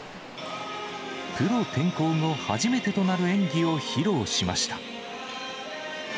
プロ転向後初めてとなる演技を披露しました。